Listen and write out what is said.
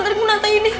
tadi aku nantai ini